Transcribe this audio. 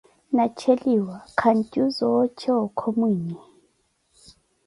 Na cheliwa, kanjo za oocha okho mwiinyi.